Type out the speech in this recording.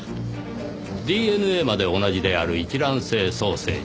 ＤＮＡまで同じである一卵性双生児。